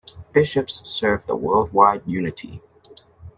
Bishops serve the worldwide Unity.